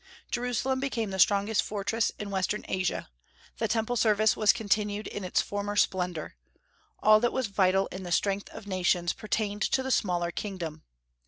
Jerusalem became the strongest fortress in western Asia; the Temple service was continued in its former splendor; all that was vital in the strength of nations pertained to the smaller kingdom.